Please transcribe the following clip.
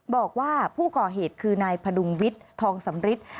บอกว่าผู้ก่อเหตุคือนายพดุงวิทย์ทองสำริท